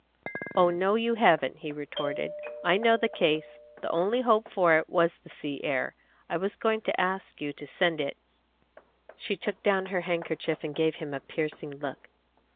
"Oh no, you haven't," he retorted. "I know the case. The only hope for it was the sea air; I was going to ask you to send it " She took down her handkerchief and gave him a piercing look.